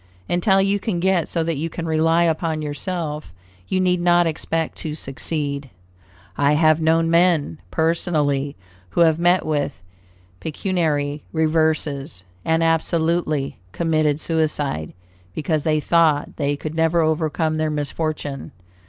Until you can get so that you can rely upon yourself, you need not expect to succeed. I have known men, personally, who have met with pecuniary reverses, and absolutely committed suicide, because they thought they could never overcome their misfortune.